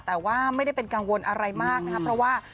แต่ว่าไม่ได้เป็นกังวลอะไรมากนะครับเพราะว่า